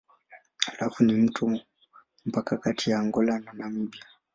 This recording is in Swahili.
Halafu mto ni mpaka kati ya Angola na Namibia.